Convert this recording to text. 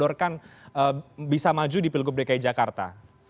yang bisa maju di pilgub dki jakarta